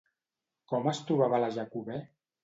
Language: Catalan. Com es trobava la Jacobè?